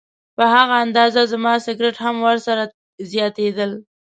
په هغه اندازه زما سګرټ هم ورسره زیاتېدل.